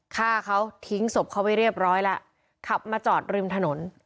ฆ่าเขาทิ้งศพเขาไว้เรียบร้อยแล้วขับมาจอดริมถนน